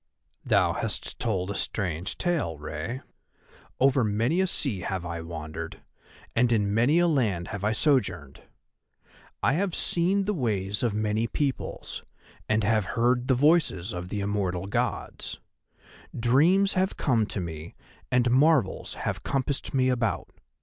"Thou hast told a strange tale, Rei. Over many a sea have I wandered, and in many a land I have sojourned. I have seen the ways of many peoples, and have heard the voices of the immortal Gods. Dreams have come to me and marvels have compassed me about.